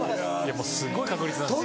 すごい確率なんですよ。